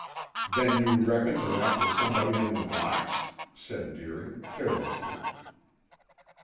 "Then, you reckon they're after somebody in the rocks?" said Deering carelessly.